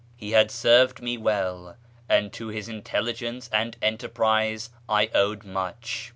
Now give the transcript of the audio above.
He had served me well, and to his intelligence and enterprise I owed much.